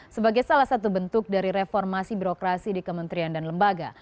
sebagai salah satu bentuk dari reformasi birokrasi di kementerian dan lembaga